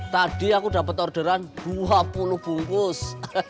tadi aku dapat orderan dua puluh bungkus